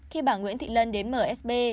khi bà nguyễn thị lân đến msb